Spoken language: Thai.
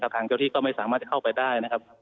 ทางเจ้าที่ก็ไม่สามารถจะเข้าไปได้นะครับ